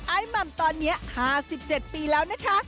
หม่ำตอนนี้๕๗ปีแล้วนะคะ